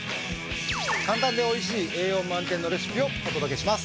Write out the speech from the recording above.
簡単で美味しい栄養満点のレシピをお届けします。